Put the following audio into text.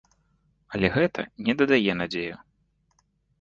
Але гэта не дадае надзею.